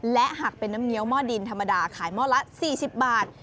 และหากเป็นน้ำเงี้ยหม้อดินธรรมดาขายหม้อละ๔๐บาท